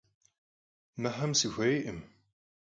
Mıxem sxuêykhım.